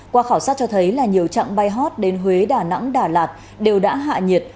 qua khảo sát cho thấy là nhiều trạng bay hot đến huế đà nẵng đà lạt đều đã hạ nhiệt